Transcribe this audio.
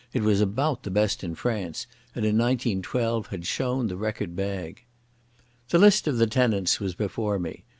It was about the best in France, and in 1912 had shown the record bag. The list of the tenants was before me.